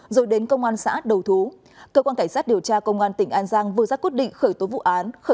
rồi đến công an xã đầu thú cơ quan cảnh sát điều tra công an tỉnh an giang vừa ra quyết định